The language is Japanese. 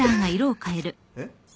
えっ？